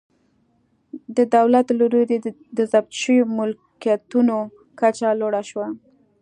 د دولت له لوري د ضبط شویو ملکیتونو کچه لوړه شوه.